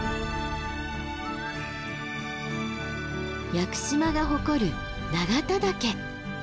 屋久島が誇る永田岳。